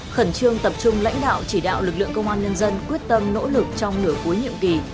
khẩn trương tập trung lãnh đạo chỉ đạo lực lượng công an nhân dân quyết tâm nỗ lực trong nửa cuối nhiệm kỳ